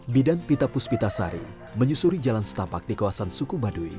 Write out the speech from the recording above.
bidan pita puspita sari menyusuri jalan setapak di kawasan suku baduy